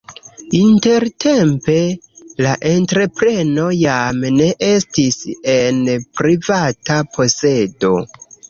Intertempe la entrepreno jam ne estis en privata posedo.